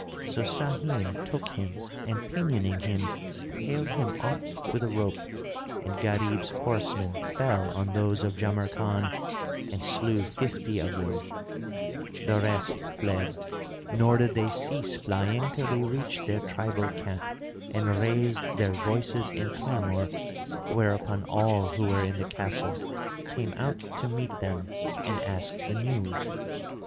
So Sahim took him and pinioning him, haled him off with a rope, and Gharib's horsemen fell on those of Jamrkan and slew fifty of them: the rest fled; nor did they cease flying till they reached their tribal camp and raised their voices in clamour; whereupon all who were in the Castle came out to meet them and asked the news.